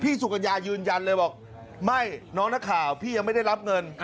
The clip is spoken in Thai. สุกัญญายืนยันเลยบอกไม่น้องนักข่าวพี่ยังไม่ได้รับเงิน